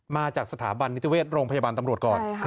มาจากสถาบันนิติเวชโรงพยาบาลตำรวจก่อน